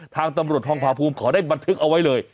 ทางตำรวจทองพาภูมิขอได้บันทึกเอาไว้เลย